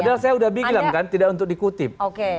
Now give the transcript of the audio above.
padahal saya sudah bilang kan tidak untuk dikutip